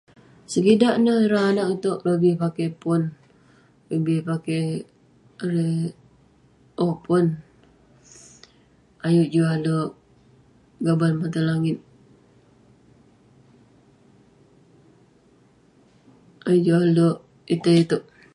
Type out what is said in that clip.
Sekidak neh, ireh anaq iteuk lebih pakey pon, lebih pakey erei- owk pon. ayuk juk alek gaban maten langit. Ayuk juk alek itei iteuk.